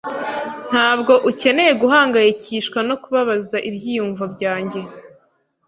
Ntabwo ukeneye guhangayikishwa no kubabaza ibyiyumvo byanjye.